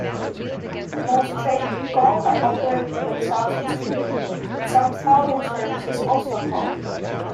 Most trains that call are operated by Southeastern, but some Southern services also call.